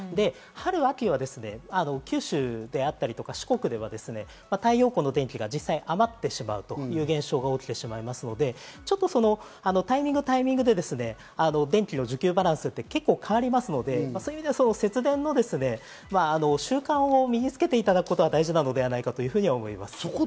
春、秋は九州や四国では太陽光の電気が実際余ってしまうという現象が起きてしまいますので、タイミングで電気の需給バランスって変わりますので節電の習慣を身につけていただくことが大事なのではないかと思います。